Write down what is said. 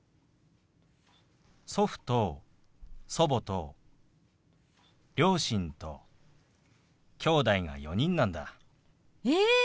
祖父と祖母と両親ときょうだいが４人なんだ。え！